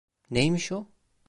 Neymiş o?